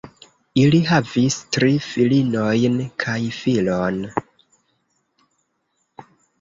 Ili havis tri filinojn kaj filon.